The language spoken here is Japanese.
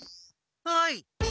はい！